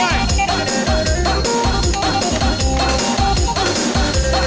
เวลาดีเวลาดี